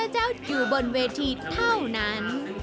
เจ้าอยู่บนเวทีเท่านั้น